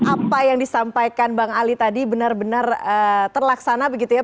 apa yang disampaikan bang ali tadi benar benar terlaksana begitu ya